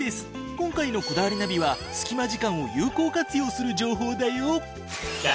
今回の『こだわりナビ』はスキマ時間を有効活用する情報だよ！